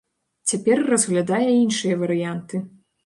Цяпер разглядае іншыя варыянты.